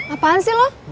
apaan sih lu